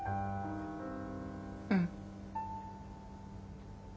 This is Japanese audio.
うん。